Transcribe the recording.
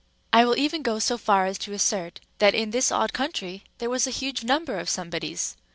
I will even go so far as to assert that in this odd country there was a huge number of Somebodies.